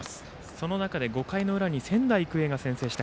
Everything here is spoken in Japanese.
その中で５回の裏に仙台育英が先制した。